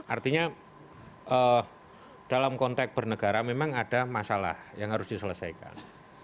artinya dalam konteks bernegara memang ada masalah yang harus diselesaikan